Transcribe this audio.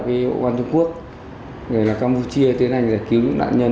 công an trung quốc người là campuchia tiến hành giải cứu những nạn nhân